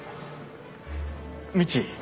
・未知。